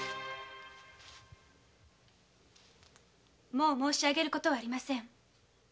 もう申し上げる事はありません。